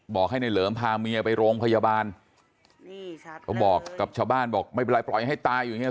บอกให้ในเหลิมพาเมียไปโรงพยาบาลเขาบอกกับชาวบ้านบอกไม่เป็นไรปล่อยให้ตายอยู่อย่างเงี้